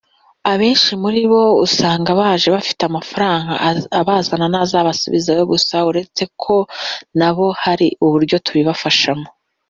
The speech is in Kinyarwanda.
Abenshi muri bo usanga baje bafite amafaranga abazana n’azabasubizayo gusa uretse ko nabo hari uburyo tubibafashamo